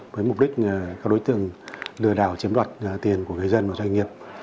với mục đích các đối tượng lừa đảo chiếm đoạt tiền của người dân và doanh nghiệp